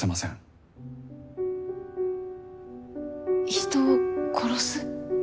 人を殺す？